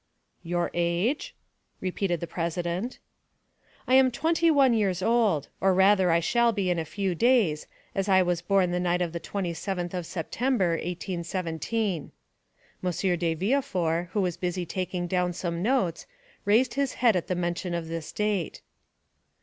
"Your age?" repeated the president. "I am twenty one years old, or rather I shall be in a few days, as I was born the night of the 27th of September, 1817." M. de Villefort, who was busy taking down some notes, raised his head at the mention of this date.